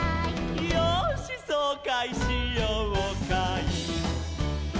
「よーしそうかいしようかい」